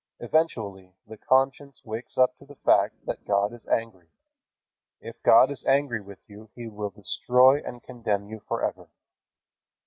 Eventually the conscience wakes up to the fact that God is angry. If God is angry with you, He will destroy and condemn you forever.